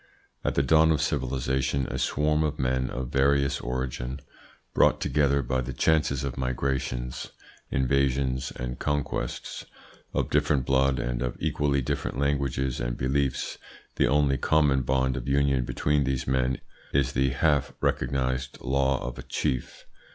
At the dawn of civilisation a swarm of men of various origin, brought together by the chances of migrations, invasions, and conquests. Of different blood, and of equally different languages and beliefs, the only common bond of union between these men is the half recognised law of a chief.